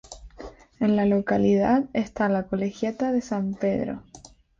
En la localidad está la colegiata de San Pedro.